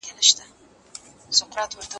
کېدای سي ليکنه سخته وي؟